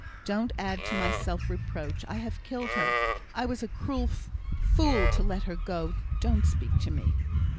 Don't add to my self reproach. I have killed her. I was a cruel fool to let her go. Don't speak to me."